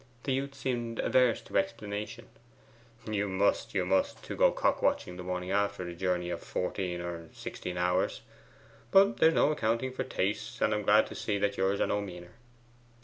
The youth seemed averse to explanation. 'You must, you must; to go cock watching the morning after a journey of fourteen or sixteen hours. But there's no accounting for tastes, and I am glad to see that yours are no meaner.